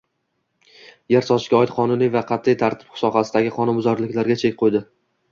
Yer sotishga oid qonuniy va qat’iy tartib sohadagi qonunbuzarliklarga chek qo‘yding